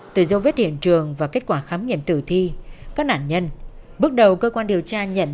từ dấu vết hiện trường và kết quả khám nghiệm tử thi các nạn nhân bước đầu cơ quan điều tra nhận